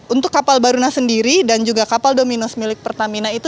untuk kapal baruna sendiri dan juga kapal dominos milik pertamina itu